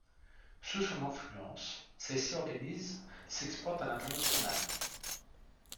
Sous son influence, celle-ci organise s'exporte à l'international.